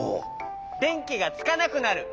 でんきがつかなくなる。